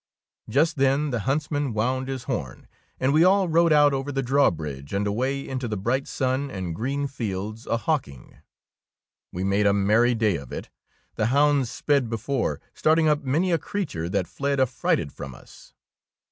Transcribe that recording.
Just then the huntsman wound his horn, and we all rode out over the drawbridge and away into the bright sun and green fields a hawking. We made a merry day of it. The hounds sped before, starting up many a creature that fied affrighted from us.